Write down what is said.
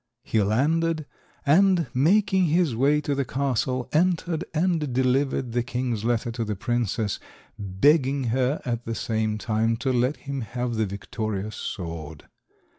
He landed, and, making his way to the castle, entered and delivered the king's letter to the princess, begging her at the same time to let him have the victorious sword.